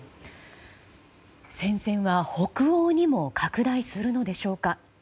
戦線は北欧にも拡大するのでしょうか。